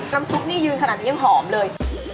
น้ำซุปนี่ยืนขนาดนี้ยังหอมเลย